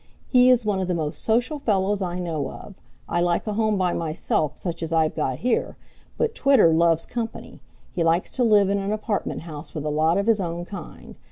He is one of the most social fellows I know of. I like a home by myself, such as I've got here, but Twitter loves company. He likes to live in an apartment house with a lot of his own kind.